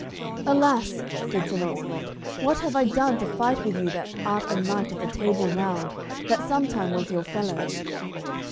"Alas," said Sir Launcelot, "what have I done to fight with you that art a knight of the Table Round, that sometime was your fellow."